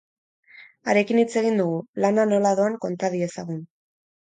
Harekin hitz egin dugu, lana nola doan konta diezagun.